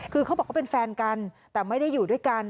คือเขาบอกเขาเป็นแฟนกันแต่ไม่ได้อยู่ด้วยกัน